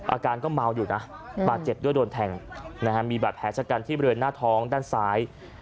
อาการก็เมาอยู่นะบาดเจ็บด้วยโดนแทงมีบาดแผลชะกันที่บริเวณหน้าท้องด้านซ้าย